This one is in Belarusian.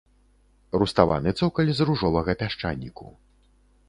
Руставаны цокаль з ружовага пясчаніку.